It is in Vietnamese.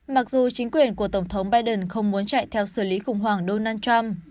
mặc dù chính quyền của tổng thống biden không muốn chạy theo xử lý khủng hoảng donald trump